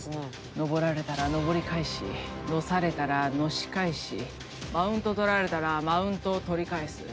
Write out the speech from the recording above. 登られたら登り返しのされたらのし返しマウント取られたらマウントを取り返す。